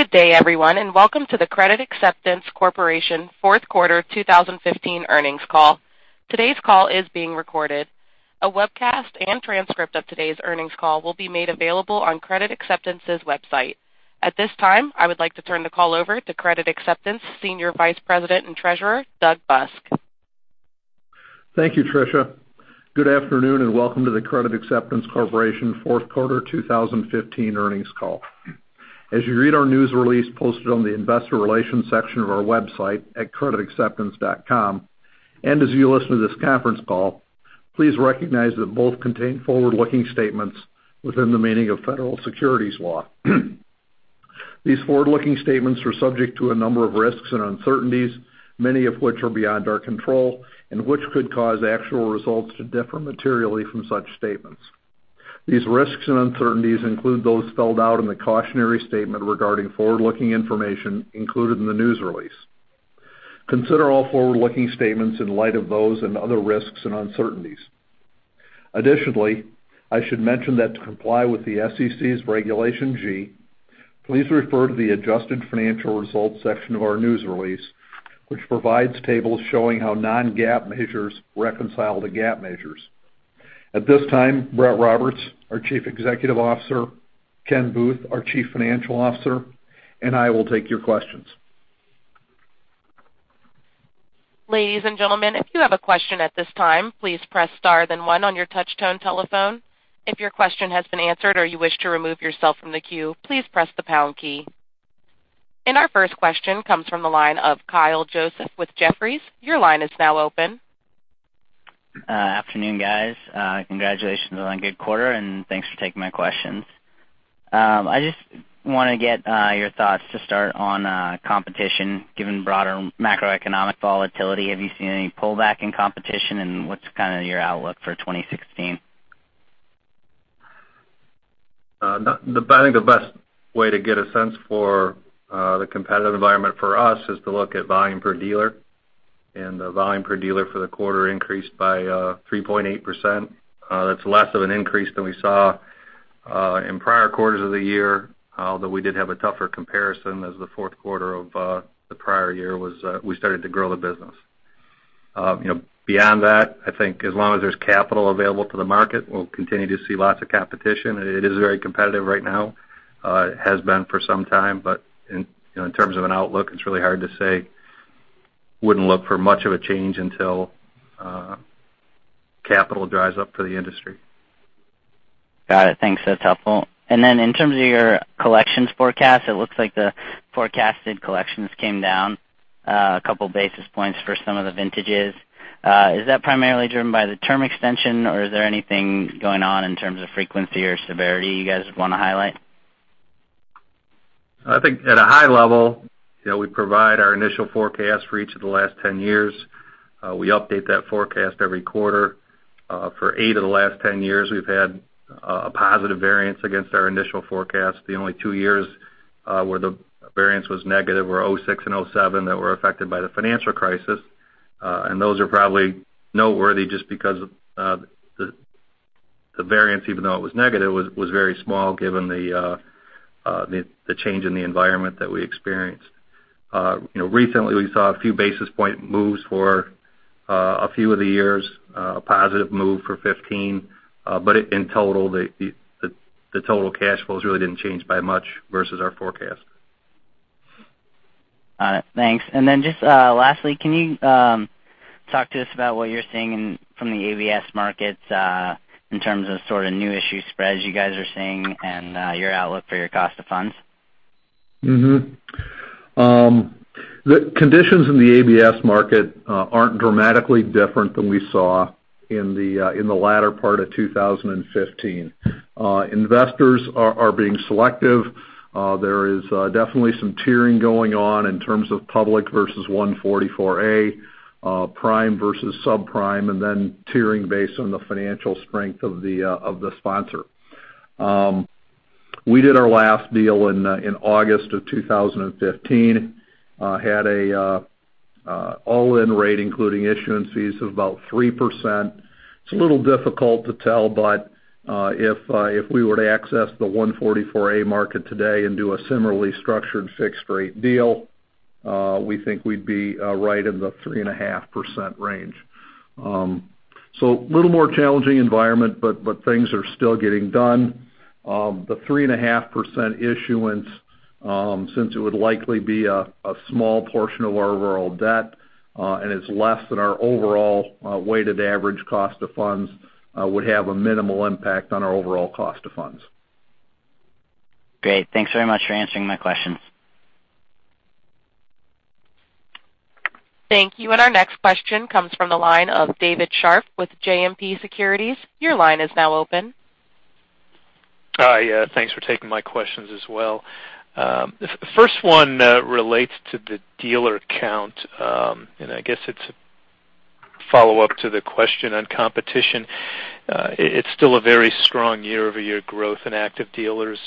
Good day everyone, welcome to the Credit Acceptance Corporation fourth quarter 2015 earnings call. Today's call is being recorded. A webcast and transcript of today's earnings call will be made available on Credit Acceptance's website. At this time, I would like to turn the call over to Credit Acceptance Senior Vice President and Treasurer, Doug Busk. Thank you, Tricia. Good afternoon, welcome to the Credit Acceptance Corporation fourth quarter 2015 earnings call. As you read our news release posted on the investor relations section of our website at creditacceptance.com, as you listen to this conference call, please recognize that both contain forward-looking statements within the meaning of federal securities law. These forward-looking statements are subject to a number of risks and uncertainties, many of which are beyond our control, which could cause actual results to differ materially from such statements. These risks and uncertainties include those spelled out in the cautionary statement regarding forward-looking information included in the news release. Consider all forward-looking statements in light of those and other risks and uncertainties. Additionally, I should mention that to comply with the SEC's Regulation G, please refer to the adjusted financial results section of our news release, which provides tables showing how non-GAAP measures reconcile to GAAP measures. At this time, Brett Roberts, our Chief Executive Officer, Ken Booth, our Chief Financial Officer, I will take your questions. Ladies and gentlemen, if you have a question at this time, please press star one on your touch tone telephone. If your question has been answered you wish to remove yourself from the queue, please press the pound key. Our first question comes from the line of Kyle Joseph with Jefferies. Your line is now open. Afternoon, guys. Congratulations on a good quarter, and thanks for taking my questions. I just want to get your thoughts to start on competition. Given broader macroeconomic volatility, have you seen any pullback in competition, and what's kind of your outlook for 2016? I think the best way to get a sense for the competitive environment for us is to look at volume per dealer. The volume per dealer for the quarter increased by 3.8%. That's less of an increase than we saw in prior quarters of the year, although we did have a tougher comparison as the fourth quarter of the prior year, we started to grow the business. Beyond that, I think as long as there's capital available to the market, we'll continue to see lots of competition. It is very competitive right now. It has been for some time. In terms of an outlook, it's really hard to say. Wouldn't look for much of a change until capital dries up for the industry. Got it. Thanks. That's helpful. In terms of your collections forecast, it looks like the forecasted collections came down a couple basis points for some of the vintages. Is that primarily driven by the term extension, or is there anything going on in terms of frequency or severity you guys want to highlight? I think at a high level, we provide our initial forecast for each of the last 10 years. We update that forecast every quarter. For eight of the last 10 years, we've had a positive variance against our initial forecast. The only two years where the variance was negative were '06 and '07 that were affected by the financial crisis. Those are probably noteworthy just because the variance, even though it was negative, was very small given the change in the environment that we experienced. Recently, we saw a few basis point moves for a few of the years. A positive move for '15. In total, the total cash flows really didn't change by much versus our forecast. Got it. Thanks. Then just lastly, can you talk to us about what you're seeing from the ABS markets in terms of sort of new issue spreads you guys are seeing and your outlook for your cost of funds? The conditions in the ABS market aren't dramatically different than we saw in the latter part of 2015. Investors are being selective. There is definitely some tiering going on in terms of public versus 144A, prime versus subprime, and then tiering based on the financial strength of the sponsor. We did our last deal in August of 2015. Had an all-in rate, including issuance fees, of about 3%. It's a little difficult to tell, but if we were to access the 144A market today and do a similarly structured fixed-rate deal, we think we'd be right in the 3.5% range. A little more challenging environment, but things are still getting done. The 3.5% issuance, since it would likely be a small portion of our overall debt, and is less than our overall weighted average cost of funds, would have a minimal impact on our overall cost of funds. Great. Thanks very much for answering my questions. Thank you. Our next question comes from the line of David Scharf with JMP Securities. Your line is now open. Hi. Thanks for taking my questions as well. The first one relates to the dealer count. I guess it's a follow-up to the question on competition. It's still a very strong year-over-year growth in active dealers.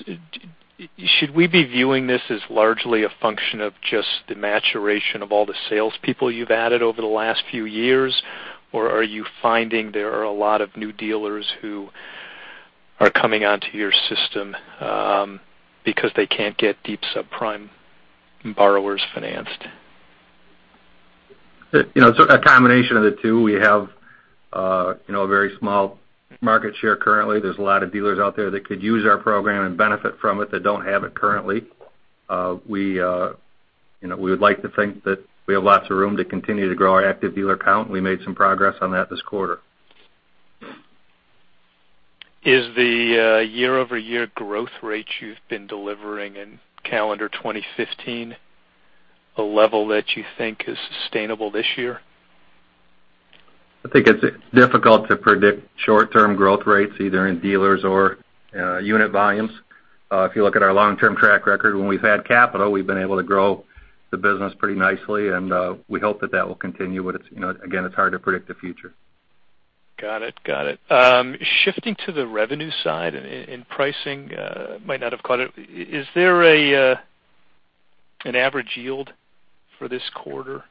Should we be viewing this as largely a function of just the maturation of all the salespeople you've added over the last few years, or are you finding there are a lot of new dealers who are coming onto your system, because they can't get deep subprime borrowers financed. It's a combination of the two. We have a very small market share currently. There's a lot of dealers out there that could use our program and benefit from it, that don't have it currently. We would like to think that we have lots of room to continue to grow our active dealer count, and we made some progress on that this quarter. Is the year-over-year growth rate you've been delivering in calendar 2015 a level that you think is sustainable this year? I think it's difficult to predict short-term growth rates, either in dealers or unit volumes. If you look at our long-term track record, when we've had capital, we've been able to grow the business pretty nicely, and we hope that that will continue. Again, it's hard to predict the future. Got it. Shifting to the revenue side and pricing. Might not have caught it. Is there an average yield for this quarter?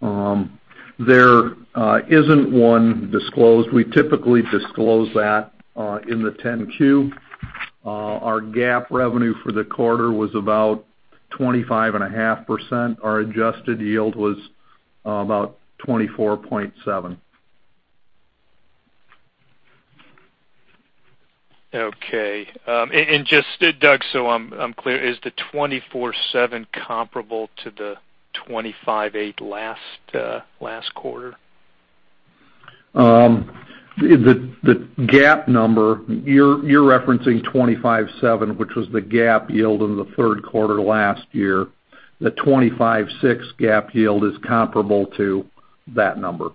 There isn't one disclosed. We typically disclose that in the 10-Q. Our GAAP revenue for the quarter was about 25.5%. Our adjusted yield was about 24.7%. Okay. Just, Doug, so I'm clear, is the 24.7% comparable to the 25.8% last quarter? The GAAP number, you're referencing 25.7%, which was the GAAP yield in the third quarter last year. The 25.6% GAAP yield is comparable to that number.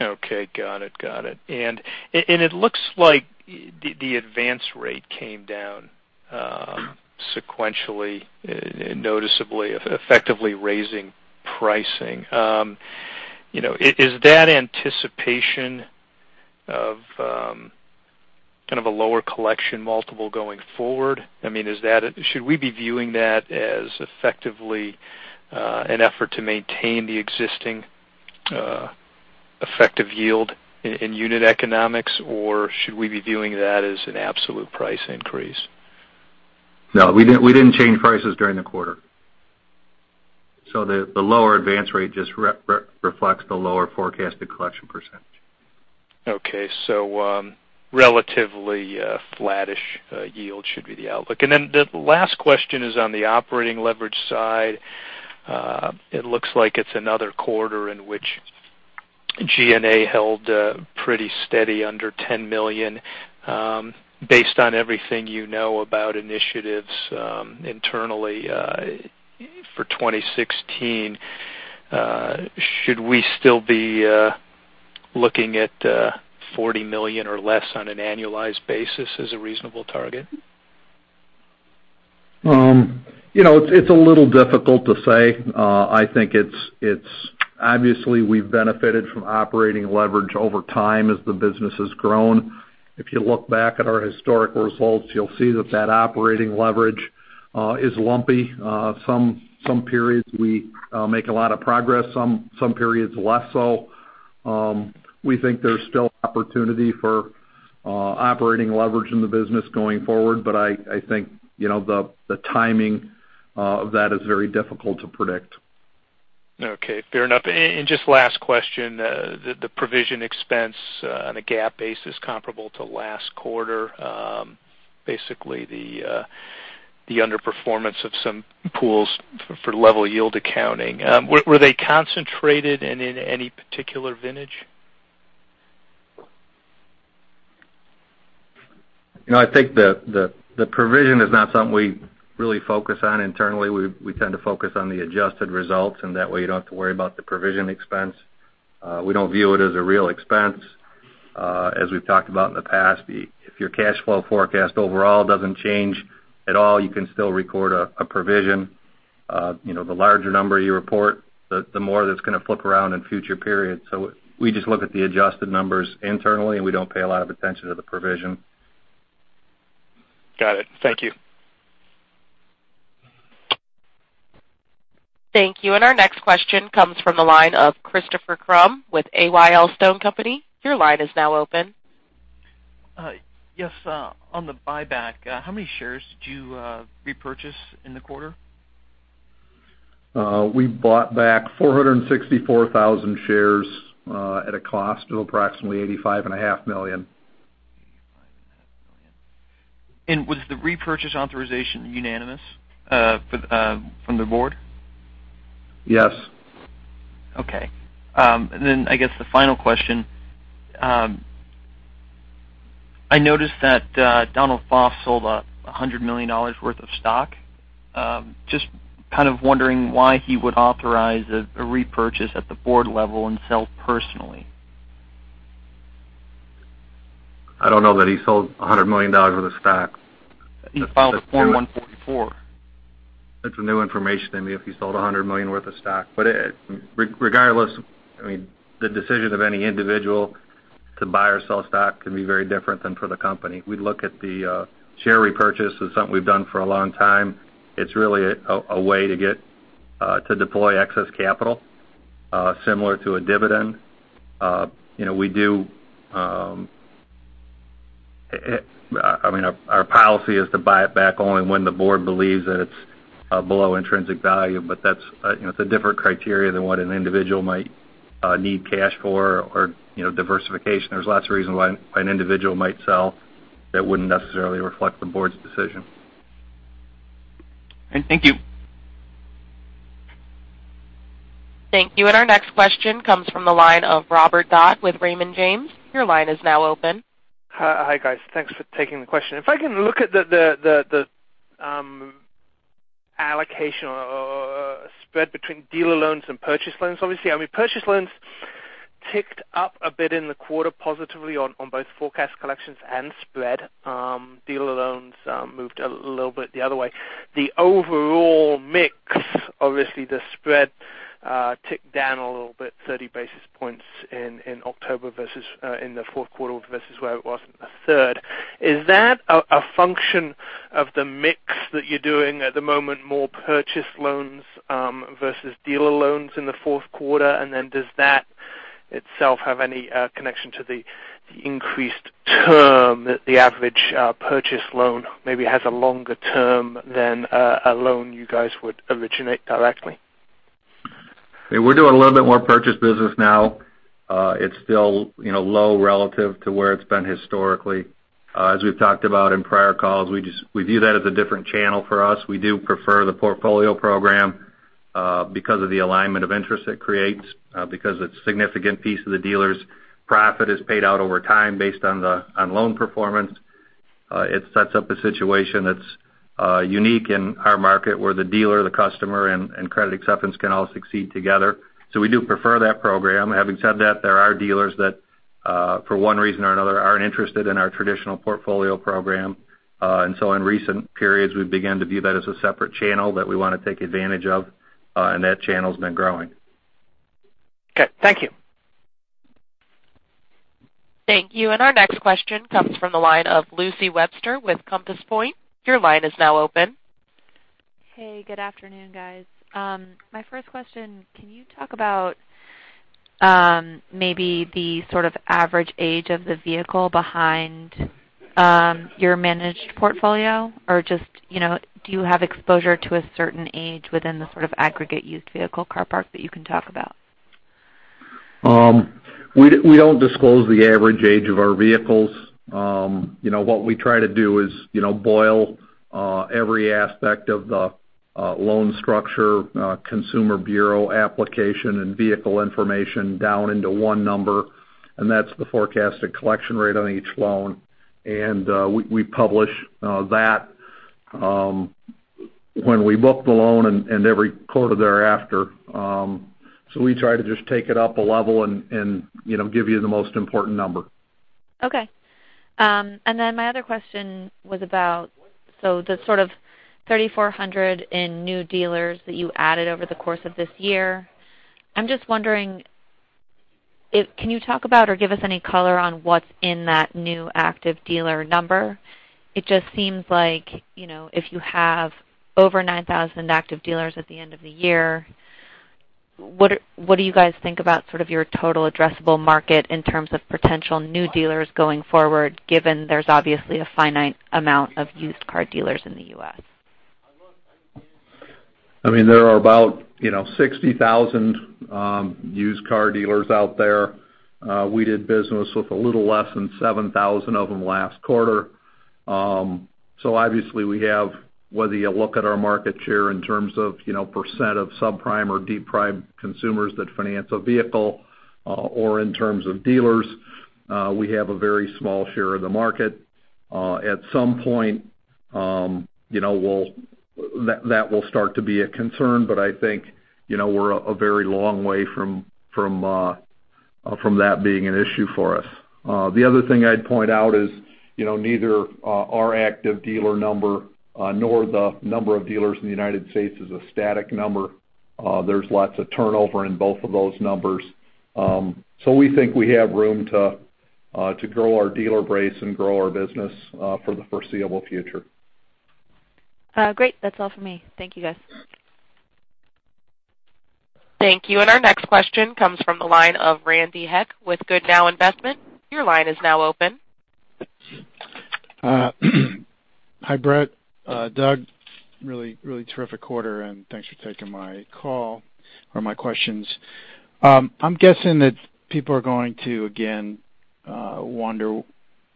Okay, got it. It looks like the advance rate came down sequentially, noticeably effectively raising pricing. Is that anticipation of kind of a lower collection multiple going forward? Should we be viewing that as effectively an effort to maintain the existing effective yield in unit economics, or should we be viewing that as an absolute price increase? No, we didn't change prices during the quarter. The lower advance rate just reflects the lower forecasted collection percentage. Okay. Relatively flattish yield should be the outlook. The last question is on the operating leverage side. It looks like it's another quarter in which G&A held pretty steady under $10 million. Based on everything you know about initiatives internally for 2016, should we still be looking at $40 million or less on an annualized basis as a reasonable target? It's a little difficult to say. Obviously, we've benefited from operating leverage over time as the business has grown. If you look back at our historical results, you'll see that that operating leverage is lumpy. Some periods we make a lot of progress, some periods less so. We think there's still opportunity for operating leverage in the business going forward, but I think, the timing of that is very difficult to predict. Okay, fair enough. Just last question, the provision expense on a GAAP basis comparable to last quarter. Basically, the underperformance of some pools for level yield accounting. Were they concentrated in any particular vintage? I think the provision is not something we really focus on internally. We tend to focus on the adjusted results, and that way you don't have to worry about the provision expense. We don't view it as a real expense. As we've talked about in the past, if your cash flow forecast overall doesn't change at all, you can still record a provision. The larger number you report, the more that's going to flip around in future periods. We just look at the adjusted numbers internally, and we don't pay a lot of attention to the provision. Got it. Thank you. Thank you. Our next question comes from the line of Christopher Crum with Aylstone Company. Your line is now open. Yes. On the buyback, how many shares did you repurchase in the quarter? We bought back 464,000 shares at a cost of approximately $85.5 million. $85.5 million. Was the repurchase authorization unanimous from the board? Yes. Okay. I guess the final question. I noticed that Donald Foss sold $100 million worth of stock. Just kind of wondering why he would authorize a repurchase at the board level and sell personally. I don't know that he sold $100 million worth of stock. He filed a Form 144. That's new information to me if he sold $100 million worth of stock. Regardless, the decision of any individual to buy or sell stock can be very different than for the company. We'd look at the share repurchase as something we've done for a long time. It's really a way to deploy excess capital similar to a dividend. Our policy is to buy it back only when the board believes that it's below intrinsic value. That's a different criteria than what an individual might need cash for, or diversification. There's lots of reasons why an individual might sell that wouldn't necessarily reflect the board's decision. Thank you. Thank you. Our next question comes from the line of Robert Dodd with Raymond James. Your line is now open. Hi, guys. Thanks for taking the question. If I can look at the allocation or spread between dealer loans and purchase loans, obviously, purchase loans ticked up a bit in the quarter positively on both forecast collections and spread. Dealer loans moved a little bit the other way. The overall mix, obviously, the spread ticked down a little bit 30 basis points in October versus in the fourth quarter versus where it was in the third. Is that a function of the mix that you're doing at the moment, more purchase loans versus dealer loans in the fourth quarter? Then does that itself have any connection to the increased term that the average purchase loan maybe has a longer term than a loan you guys would originate directly? We're doing a little bit more purchase business now. It's still low relative to where it's been historically. As we've talked about in prior calls, we view that as a different channel for us. We do prefer the Portfolio Program because of the alignment of interest it creates, because it's significant piece of the dealer's profit is paid out over time based on loan performance. It sets up a situation that's unique in our market where the dealer, the customer, and Credit Acceptance can all succeed together. We do prefer that program. Having said that, there are dealers that for one reason or another, aren't interested in our traditional Portfolio Program. In recent periods, we've begun to view that as a separate channel that we want to take advantage of. That channel's been growing. Okay. Thank you. Thank you. Our next question comes from the line of Lucy Webster with Compass Point. Your line is now open. Hey, good afternoon, guys. My first question, can you talk about maybe the sort of average age of the vehicle behind your managed portfolio? Or just do you have exposure to a certain age within the sort of aggregate used vehicle car park that you can talk about? We don't disclose the average age of our vehicles. What we try to do is boil every aspect of the loan structure, consumer bureau application, and vehicle information down into one number, and that's the forecasted collection rate on each loan. We publish that when we book the loan and every quarter thereafter. We try to just take it up a level and give you the most important number. Okay. My other question was about the sort of 3,400 in new dealers that you added over the course of this year. I'm just wondering, can you talk about or give us any color on what's in that new active dealer number? It just seems like, if you have over 9,000 active dealers at the end of the year, what do you guys think about sort of your total addressable market in terms of potential new dealers going forward, given there's obviously a finite amount of used car dealers in the U.S.? There are about 60,000 used car dealers out there. We did business with a little less than 7,000 of them last quarter. Obviously we have, whether you look at our market share in terms of % of subprime or deep prime consumers that finance a vehicle, or in terms of dealers, we have a very small share of the market. At some point that will start to be a concern, but I think we're a very long way from that being an issue for us. The other thing I'd point out is neither our active dealer number nor the number of dealers in the United States is a static number. There's lots of turnover in both of those numbers. We think we have room to grow our dealer base and grow our business for the foreseeable future. Great. That's all for me. Thank you, guys. Thank you. Our next question comes from the line of Randy Heck with Goodnow Investment. Your line is now open. Hi, Brett, Doug. Really terrific quarter, thanks for taking my call or my questions. I'm guessing that people are going to again wonder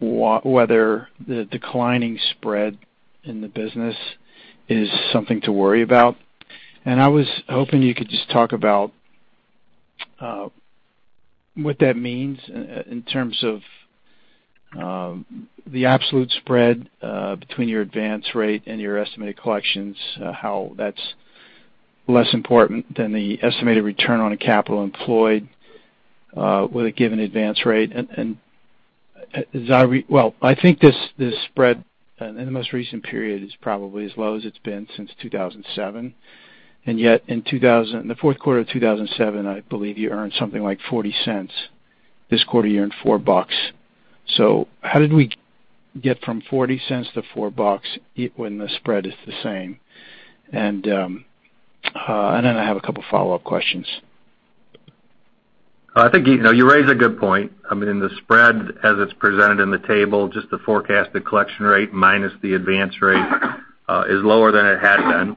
whether the declining spread in the business is something to worry about. I was hoping you could just talk about what that means in terms of the absolute spread between your advance rate and your estimated collections, how that's less important than the estimated return on a capital employed with a given advance rate. I think this spread in the most recent period is probably as low as it's been since 2007. Yet in the fourth quarter of 2007, I believe you earned something like $0.40. This quarter, you earned $4. How did we get from $0.40 to $4 when the spread is the same? Then I have a couple follow-up questions. I think you raise a good point. The spread as it's presented in the table, just the forecasted collection rate minus the advance rate, is lower than it had been.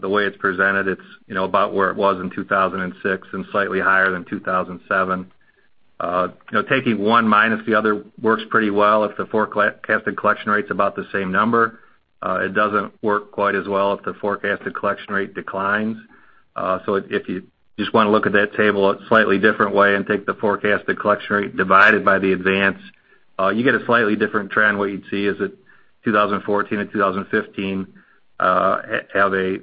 The way it's presented, it's about where it was in 2006 and slightly higher than 2007. Taking one minus the other works pretty well if the forecasted collection rate's about the same number. It doesn't work quite as well if the forecasted collection rate declines. If you just want to look at that table a slightly different way and take the forecasted collection rate divided by the advance, you get a slightly different trend. What you'd see is that 2014 and 2015 have a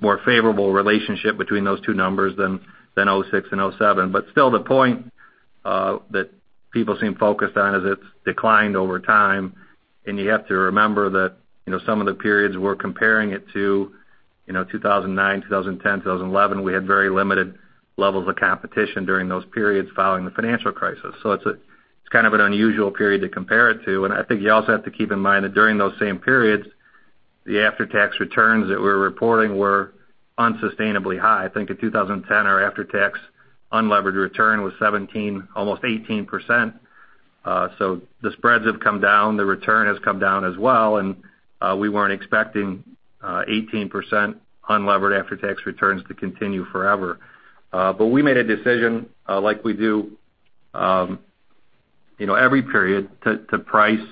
more favorable relationship between those two numbers than 2006 and 2007. Still, the point that people seem focused on is it's declined over time, and you have to remember that some of the periods we're comparing it to, 2009, 2010, 2011, we had very limited levels of competition during those periods following the financial crisis. It's kind of an unusual period to compare it to. I think you also have to keep in mind that during those same periods, the after-tax returns that we're reporting were unsustainably high. I think in 2010, our after-tax unlevered return was 17%, almost 18%. The spreads have come down. The return has come down as well, and we weren't expecting 18% unlevered after-tax returns to continue forever. We made a decision, like we do every period, to price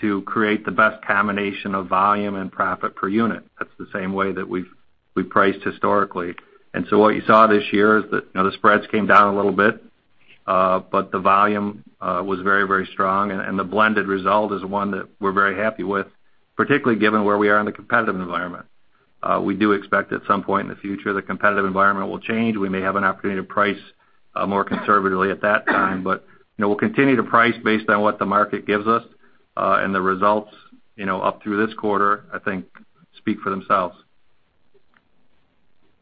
to create the best combination of volume and profit per unit. That's the same way that we've priced historically. What you saw this year is that the spreads came down a little bit. The volume was very strong, and the blended result is one that we're very happy with, particularly given where we are in the competitive environment. We do expect at some point in the future, the competitive environment will change. We may have an opportunity to price more conservatively at that time. We'll continue to price based on what the market gives us. The results up through this quarter, I think, speak for themselves.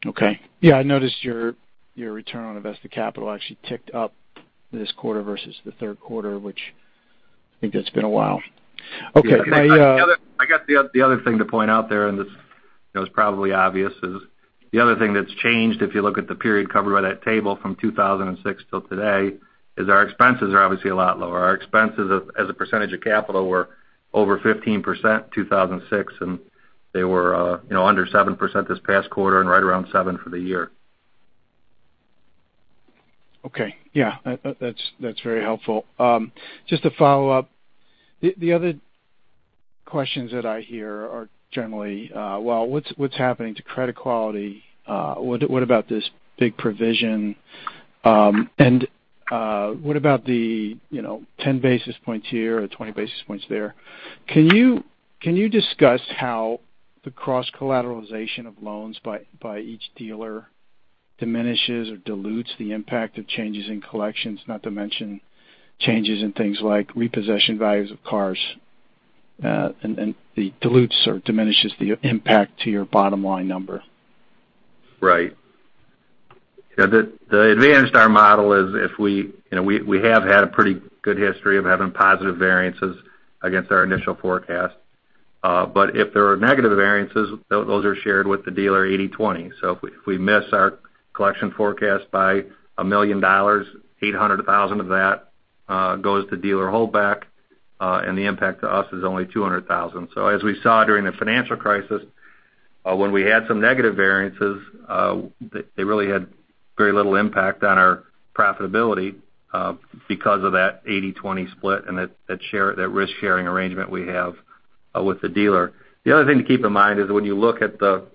Okay. Yeah, I noticed your return on invested capital actually ticked up this quarter versus the third quarter, which I think that's been a while. Okay. I guess the other thing to point out there, and this is probably obvious, is the other thing that's changed if you look at the period covered by that table from 2006 till today, is our expenses are obviously a lot lower. Our expenses as a percentage of capital were over 15% in 2006. They were under 7% this past quarter and right around 7% for the year. Okay. Yeah. That's very helpful. Just to follow up, the other questions that I hear are generally, well, what's happening to credit quality? What about this big provision? What about the 10 basis points here or 20 basis points there? Can you discuss how the cross-collateralization of loans by each dealer diminishes or dilutes the impact of changes in collections, not to mention changes in things like repossession values of cars, and dilutes or diminishes the impact to your bottom-line number? Right. The advantage to our model is we have had a pretty good history of having positive variances against our initial forecast. If there are negative variances, those are shared with the dealer 80/20. If we miss our collection forecast by $1 million, $800,000 of that goes to dealer holdback, and the impact to us is only $200,000. As we saw during the financial crisis when we had some negative variances, they really had very little impact on our profitability because of that 80/20 split and that risk-sharing arrangement we have with the dealer. The other thing to keep in mind is when you look at the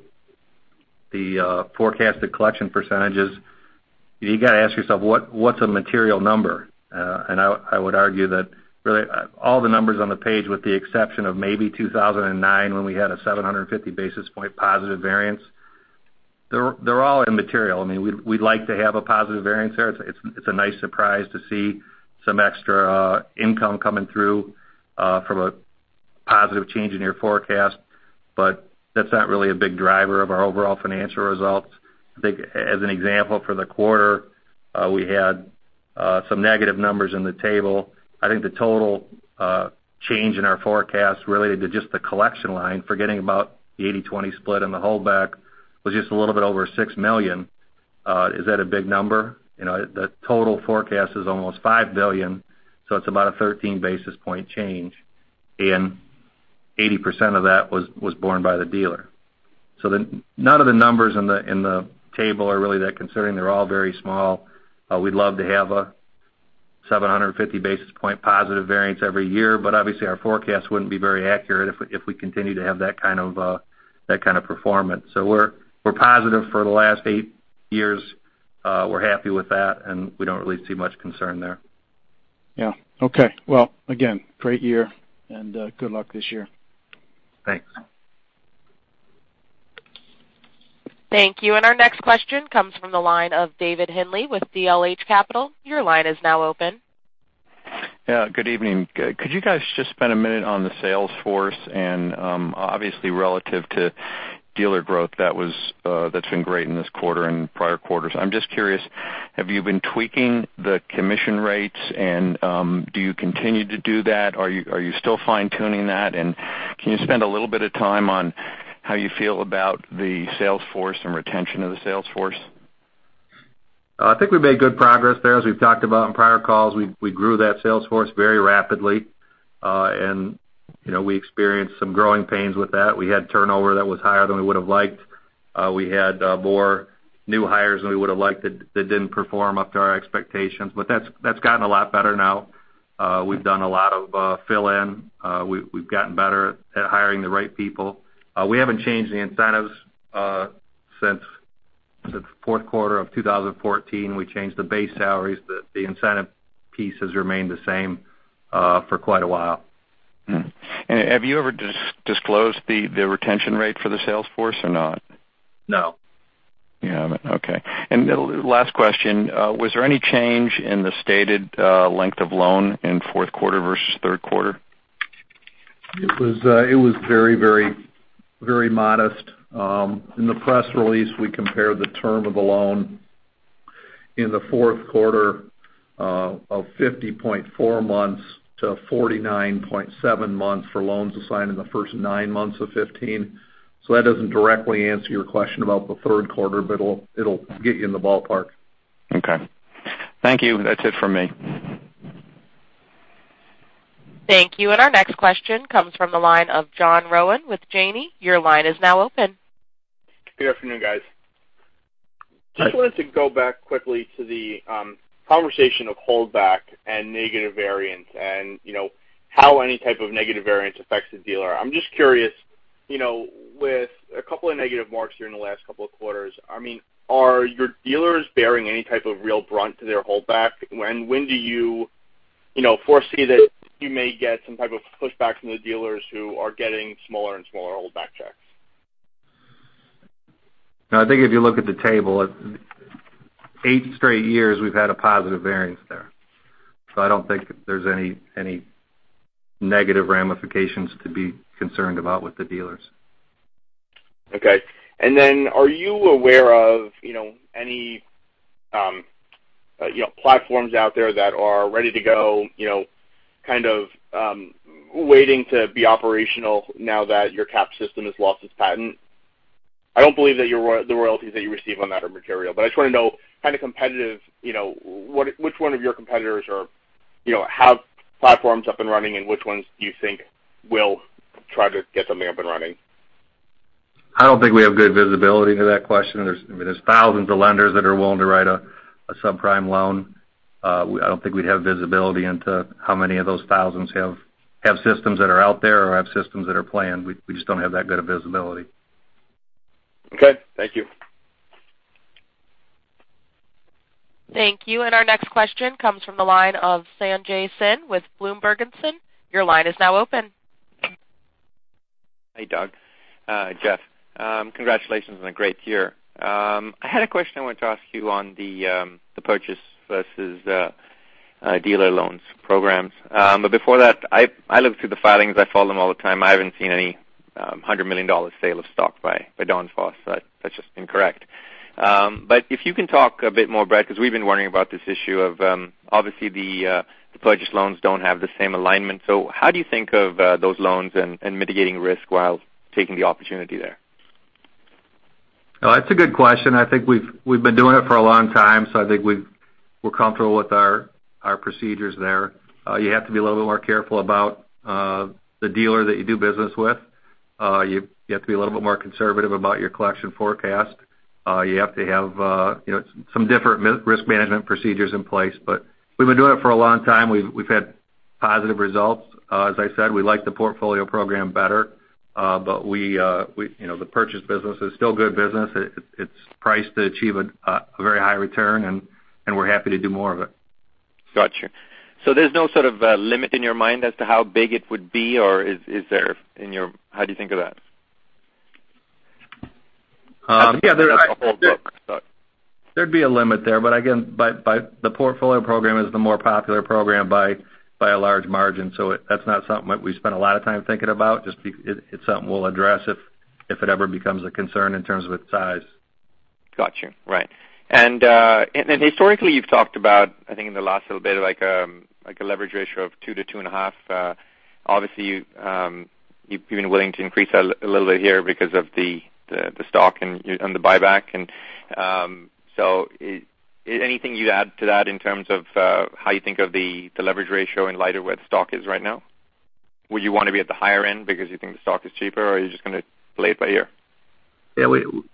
forecasted collection percentages, you've got to ask yourself what's a material number. I would argue that really all the numbers on the page, with the exception of maybe 2009, when we had a 750-basis point positive variance, they're all immaterial. We'd like to have a positive variance there. It's a nice surprise to see some extra income coming through from a positive change in your forecast, but that's not really a big driver of our overall financial results. I think as an example, for the quarter, we had some negative numbers in the table. I think the total change in our forecast related to just the collection line, forgetting about the 80/20 split and the holdback, was just a little bit over $6 million. Is that a big number? The total forecast is almost $5 billion, so it's about a 13-basis point change, and 80% of that was borne by the dealer. None of the numbers in the table are really that concerning. They're all very small. We'd love to have a 750-basis point positive variance every year. Obviously, our forecast wouldn't be very accurate if we continue to have that kind of performance. We're positive for the last eight years. We're happy with that, and we don't really see much concern there. Again, great year, and good luck this year. Thanks. Thank you. Our next question comes from the line of David Henle with DLH Capital. Your line is now open. Good evening. Could you guys just spend a minute on the sales force and, obviously, relative to dealer growth that's been great in this quarter and prior quarters. I'm just curious, have you been tweaking the commission rates and do you continue to do that? Are you still fine-tuning that? Can you spend a little bit of time on how you feel about the sales force and retention of the sales force? I think we've made good progress there. As we've talked about in prior calls, we grew that sales force very rapidly. We experienced some growing pains with that. We had turnover that was higher than we would've liked. We had more new hires than we would've liked that didn't perform up to our expectations, but that's gotten a lot better now. We've done a lot of fill in. We've gotten better at hiring the right people. We haven't changed the incentives, since the fourth quarter of 2014. We changed the base salaries. The incentive piece has remained the same, for quite a while. Have you ever disclosed the retention rate for the sales force or not? No. You haven't. Okay. Last question, was there any change in the stated length of loan in fourth quarter versus third quarter? It was very modest. In the press release, we compared the term of the loan in the fourth quarter of 50.4 months to 49.7 months for loans assigned in the first nine months of 2015. That doesn't directly answer your question about the third quarter, but it'll get you in the ballpark. Okay. Thank you. That's it from me. Thank you. Our next question comes from the line of John Rowan with Janney. Your line is now open. Good afternoon, guys. Hi. Just wanted to go back quickly to the conversation of holdback and negative variance and how any type of negative variance affects a dealer. I'm just curious, with a couple of negative marks here in the last couple of quarters, are your dealers bearing any type of real brunt to their holdback? When do you foresee that you may get some type of pushback from the dealers who are getting smaller and smaller holdback checks? No, I think if you look at the table, eight straight years we've had a positive variance there. I don't think there's any negative ramifications to be concerned about with the dealers. Okay. Are you aware of any platforms out there that are ready to go, kind of waiting to be operational now that your CAPS system has lost its patent? I don't believe that the royalties that you receive on that are material, I just want to know kind of competitive, which one of your competitors have platforms up and running, and which ones do you think will try to get something up and running? I don't think we have good visibility to that question. There's thousands of lenders that are willing to write a subprime loan. I don't think we'd have visibility into how many of those thousands have systems that are out there or have systems that are planned. We just don't have that good of visibility. Okay. Thank you. Thank you. Our next question comes from the line of Sanjay Sen with BloombergSen. Your line is now open. Hey, Doug, Jeff. Congratulations on a great year. I had a question I wanted to ask you on the purchase versus dealer loans programs. Before that, I look through the filings. I follow them all the time. I haven't seen any $100 million sale of stock by Don Foss. That's just incorrect. If you can talk a bit more broad, because we've been worrying about this issue of, obviously the purchase loans don't have the same alignment. How do you think of those loans and mitigating risk while taking the opportunity there? That's a good question. I think we've been doing it for a long time, so I think we're comfortable with our procedures there. You have to be a little bit more careful about the dealer that you do business with. You have to be a little bit more conservative about your collection forecast. You have to have some different risk management procedures in place. We've been doing it for a long time. We've had positive results. As I said, we like the Portfolio Program better. The purchase business is still good business. It's priced to achieve a very high return, and we're happy to do more of it. Got you. There's no sort of limit in your mind as to how big it would be, or is there? How do you think of that? As a whole though. Sorry. There'd be a limit there. Again, the Portfolio Program is the more popular program by a large margin. That's not something that we spend a lot of time thinking about. It's something we'll address if it ever becomes a concern in terms of its size. Got you. Right. Historically, you've talked about, I think in the last little bit, like a leverage ratio of 2 to 2.5. Obviously, you've been willing to increase that a little bit here because of the stock and the buyback. Anything you'd add to that in terms of how you think of the leverage ratio in light of where the stock is right now? Would you want to be at the higher end because you think the stock is cheaper, or are you just going to play it by ear? Yeah.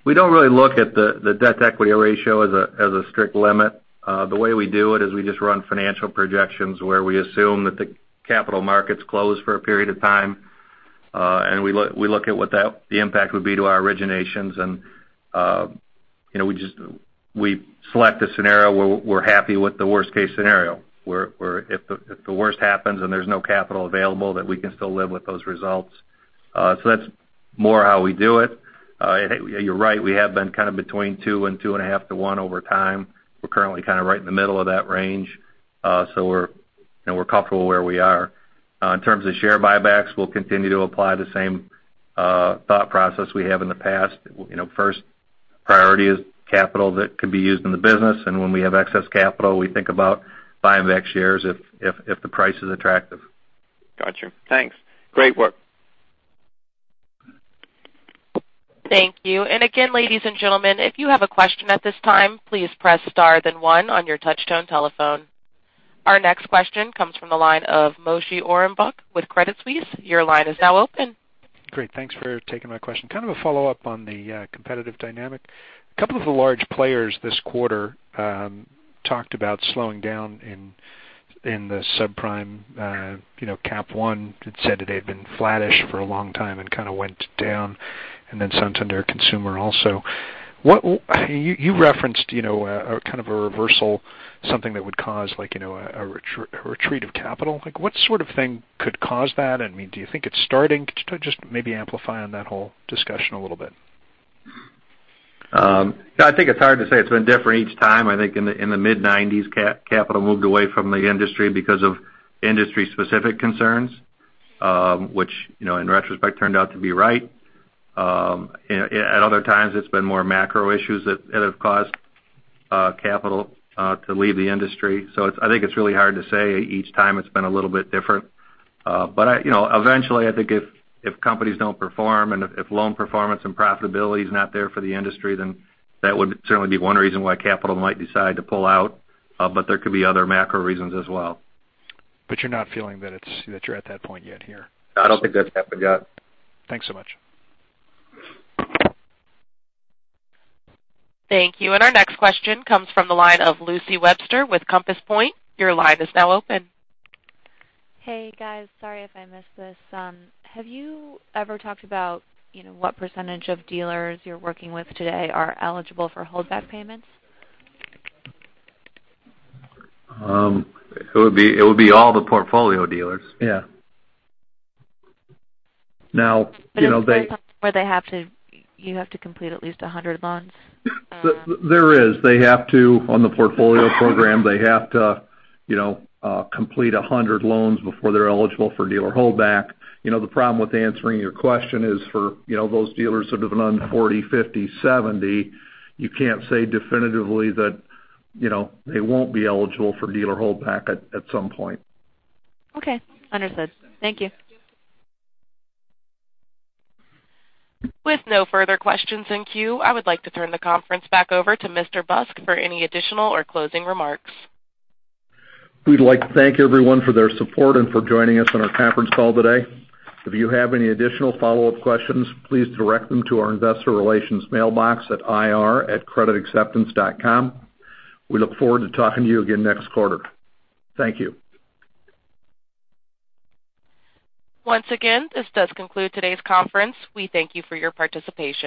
We don't really look at the debt equity ratio as a strict limit. The way we do it is we just run financial projections where we assume that the capital markets close for a period of time. We look at what the impact would be to our originations, and we select a scenario where we're happy with the worst case scenario, where if the worst happens and there's no capital available, that we can still live with those results. That's more how we do it. You're right, we have been kind of between 2 and 2.5 to 1 over time. We're currently kind of right in the middle of that range. We're comfortable where we are. In terms of share buybacks, we'll continue to apply the same thought process we have in the past. First priority is capital that could be used in the business. When we have excess capital, we think about buying back shares if the price is attractive. Got you. Thanks. Great work. Thank you. Again, ladies and gentlemen, if you have a question at this time, please press star then one on your touch-tone telephone. Our next question comes from the line of Moshe Orenbuch with Credit Suisse. Your line is now open. Great. Thanks for taking my question. Kind of a follow-up on the competitive dynamic. A couple of the large players this quarter talked about slowing down in the subprime. CapOne had said that they had been flattish for a long time and kind of went down, then Santander Consumer also. You referenced kind of a reversal, something that would cause a retreat of capital. What sort of thing could cause that? Do you think it's starting? Could you just maybe amplify on that whole discussion a little bit? I think it's hard to say. It's been different each time. I think in the mid-'90s, capital moved away from the industry because of industry-specific concerns, which, in retrospect, turned out to be right. At other times, it's been more macro issues that have caused capital to leave the industry. I think it's really hard to say. Each time it's been a little bit different. Eventually, I think if companies don't perform and if loan performance and profitability is not there for the industry, then that would certainly be one reason why capital might decide to pull out. There could be other macro reasons as well. You're not feeling that you're at that point yet here? No, I don't think that's happened yet. Thanks so much. Thank you. Our next question comes from the line of Lucy Webster with Compass Point. Your line is now open. Hey, guys. Sorry if I missed this. Have you ever talked about what % of dealers you're working with today are eligible for holdback payments? It would be all the Portfolio dealers. Yeah. Is there something where you have to complete at least 100 loans? There is. On the Portfolio Program, they have to complete 100 loans before they're eligible for dealer holdback. The problem with answering your question is for those dealers that have done 40, 50, 70, you can't say definitively that they won't be eligible for dealer holdback at some point. Okay. Understood. Thank you. With no further questions in queue, I would like to turn the conference back over to Mr. Busk for any additional or closing remarks. We'd like to thank everyone for their support and for joining us on our conference call today. If you have any additional follow-up questions, please direct them to our investor relations mailbox at ir@creditacceptance.com. We look forward to talking to you again next quarter. Thank you. Once again, this does conclude today's conference. We thank you for your participation.